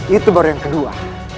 itu baru yang kedua